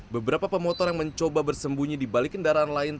beberapa pemotor yang mencoba bersembunyi di balik kendaraan lain